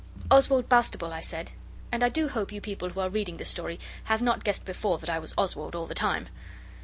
'Oswald Bastable,' I said; and I do hope you people who are reading this story have not guessed before that I was Oswald all the time.